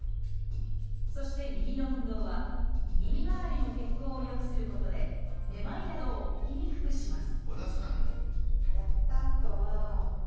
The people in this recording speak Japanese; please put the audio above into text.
そして耳の運動は耳周りの血行を良くすることでめまいなどを起きにくくします